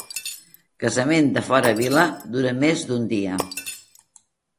Casament de fora vila dura més d'un dia.